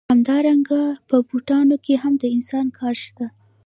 همدارنګه په بوټانو کې هم د انسان کار شته